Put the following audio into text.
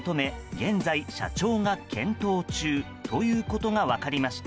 現在社長が検討中ということが分かりました。